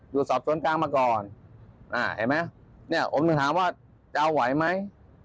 อยู่สอบสวนกลางมาก่อนเห็นไหมเนี่ยผมถึงถามว่าจะเอาไหวไหม